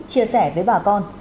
chia sẻ với bà con